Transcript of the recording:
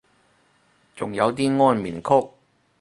仲有啲安眠曲